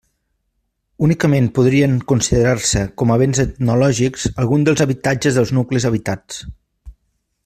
Únicament podrien considerar-se com a béns etnològics alguns dels habitatges dels nuclis habitats.